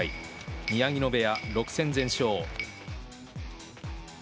宮城野部屋、６戦全勝。